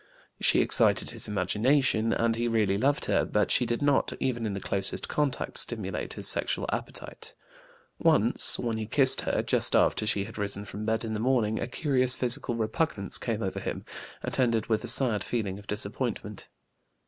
She excited his imagination, and he really loved her; but she did not, even in the closest contact, stimulate his sexual appetite. Once, when he kissed her just after she had risen from bed in the morning, a curious physical repugnance came over him, attended with a sad feeling of disappointment.